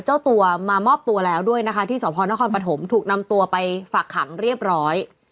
เจ้าตัวมามอบตัวแล้วด้วยนะคะที่สพนครปฐมถูกนำตัวไปฝากขังเรียบร้อย